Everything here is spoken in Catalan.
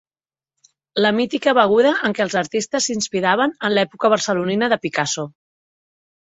La mítica beguda amb què els artistes s'inspiraven en l'època barcelonina de Picasso.